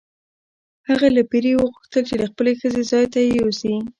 هغه له پیري وغوښتل چې د خپلې ښځې ځای ته یې یوسي.